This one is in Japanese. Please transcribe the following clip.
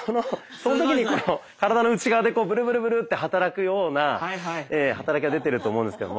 その時にこの体の内側でブルブルブルって働くような働きが出てると思うんですけれども。